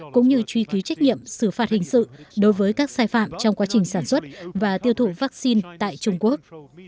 cũng như truy ký trách nhiệm xử phạt hình sự đối với các sai phạm trong quá trình sản xuất và tiêu thụ vaccine tại trung quốc